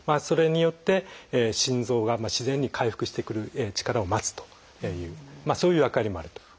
それによって心臓が自然に回復してくる力を待つというそういう役割もあると。